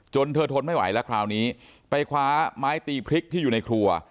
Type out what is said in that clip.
เธอทนไม่ไหวแล้วคราวนี้ไปคว้าไม้ตีพริกที่อยู่ในครัว